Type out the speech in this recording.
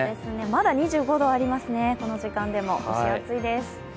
まだ２５度ありますね、この時間でも蒸し暑いです。